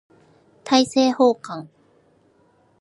大政奉還